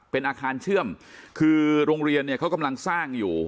เป็นอาคารเชื่อมคือโรงเรียนเนี่ยเขากำลังสร้างอยู่